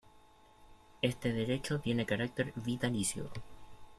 Este derecho tiene carácter vitalicio.